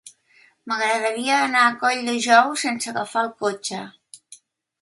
M'agradaria anar a Colldejou sense agafar el cotxe.